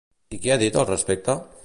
I què ha dit al respecte?